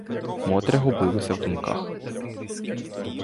Мотря губилася в думках.